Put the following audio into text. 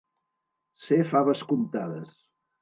Ser faves comptades.